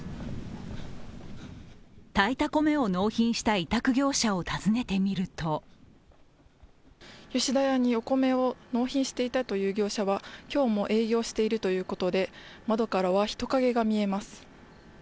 炊いた米を納品した委託業者を訪ねてみると吉田屋にお米を納品していたという業者は今日も営業しているということで窓からは人影が見えます。